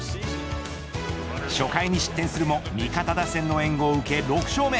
初回に失点するも味方打線の援護を受け６勝目。